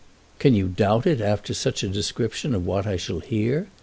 "Can you doubt it after such a description of what I shall hear?"